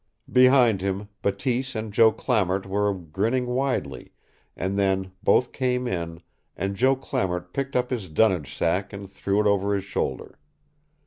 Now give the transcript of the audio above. Behind him Bateese and Joe Clamart were grinning widely, and then both came in, and Joe Clamart picked up his dunnage sack and threw it over his shoulder.